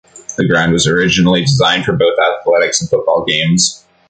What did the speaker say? The ground was originally designed for both athletics and football games.